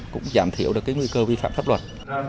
cũng giảm thiểu được cái nguy cơ vi phạm pháp luật